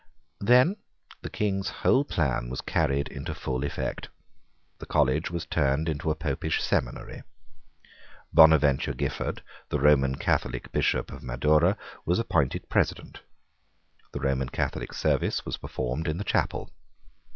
Then the King's whole plan was carried into full effect. The college was turned into a Popish seminary. Bonaventure Giffard, the Roman Catholic Bishop of Madura, was appointed President. The Roman Catholic service was performed in the chapel.